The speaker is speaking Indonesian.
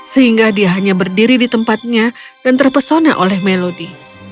sehingga dia hanya berdiri di tempatnya dan terpesona oleh melodi